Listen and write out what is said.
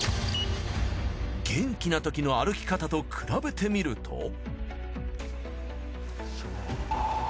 元気な時の歩き方と比べてみると。